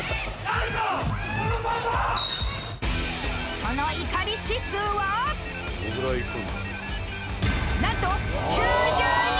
その怒り指数はなんと９２！